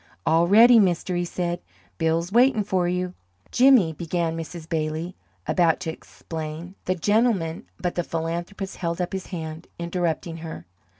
"All ready, mister!" he said. "Bill's waitin' for you!" "Jimmy," began Mrs. Bailey, about to explain, "the gentleman " But the philanthropist held up his hand, interrupting her.